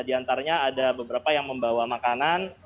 di antaranya ada beberapa yang membawa makanan